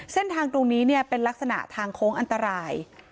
เส้นทางตรงนี้เนี่ยเป็นลักษณะทางโค้งอันตราย